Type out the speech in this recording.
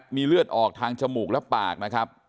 มีเลือดออกทางจมูกและปากนะครับ